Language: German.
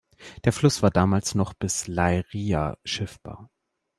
Der Fluss war damals noch bis Leiria schiffbar.